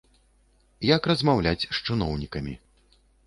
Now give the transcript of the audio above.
Як размаўляць з чыноўнікамі.